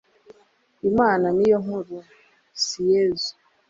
imana ni yo nkuru; si yesu